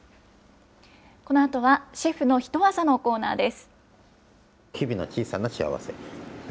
このあとはシェフのヒトワザのコーナーです。